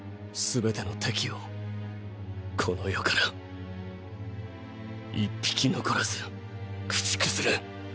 すべての敵をこの世から一匹残らず駆逐する。